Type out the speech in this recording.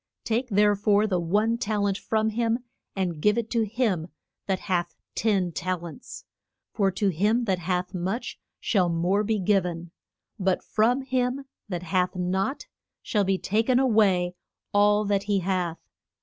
Take there fore the one tal ent from him and give it to him that hath ten tal ents. For to him that hath much shall more be giv en; but from him that hath not, shall be ta ken a way all that he hath.